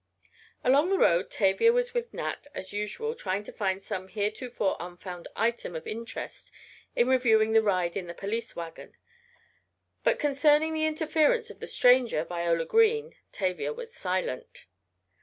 Along the road Tavia was with Nat as usual, trying to find some heretofore unfound item of interest in reviewing the ride in the police wagon. But concerning the interference of the stranger, Viola Green, Tavia was silent.